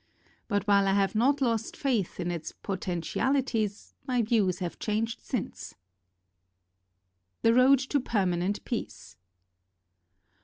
But while I have not lost faith in its potentiali ties, my views have changed since The Road to Permanent Peace.